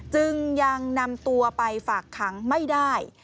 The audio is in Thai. จึงยังนำตัวไปฝากขังไม่ได้